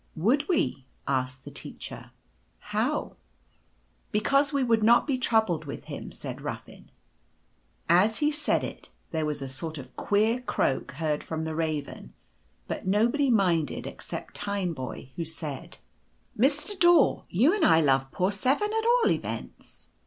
,," Would we?'' asked the teacher, " how ?" "Because we would not be troubled with him," said Ruffin. As he said it there was a sort of queer croak heard from the Raven, but nobody minded, except Tineboy, who said :— 1 1 6 Mr. Daw's Task. " Mr. Daw y you and I love poor 7, at all events."